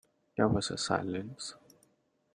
There was a silence.